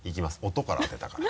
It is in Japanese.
音からあてたから。